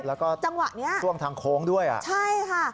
แล้วก็จังหวะนี้ช่วงทางโค้งด้วยอ่ะใช่ค่ะ